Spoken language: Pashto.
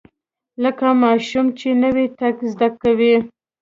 لکه ماشوم چې نوى تګ زده کوي.